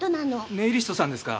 ネイリストさんですか。